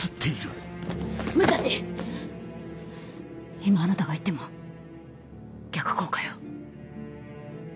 今あなたが行っても逆効果よ。